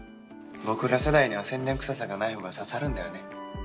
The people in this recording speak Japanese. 僕ら世代には宣伝くささがない方が刺さるんだよね。